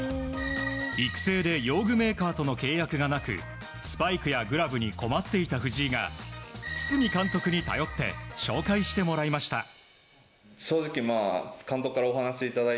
育成で用具メーカーとの契約がなくスパイクやグラブに困っていた藤井が堤監督に頼って紹介してもらいました。